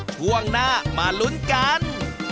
ช่วงหน้ามาลุ้นกัน